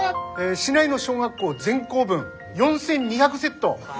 市内の小学校全校分４，２００セット